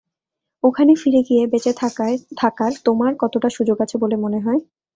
ওখানে ফিরে গিয়ে, বেঁচে থাকার তোমার কতটা সুযোগ আছে বলে মনে হয়?